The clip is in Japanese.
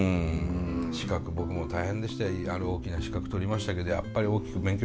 資格僕も大変でしたよある大きな資格取りましたけどやっぱり大きく勉強しますからね。